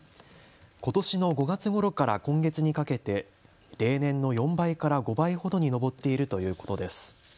ことしの５月ごろから今月にかけて例年の４倍から５倍ほどに上っているということです。